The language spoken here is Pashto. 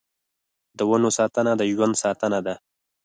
د ونو ساتنه د ژوند ساتنه ده.